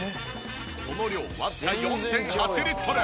その量わずか４．８リットル！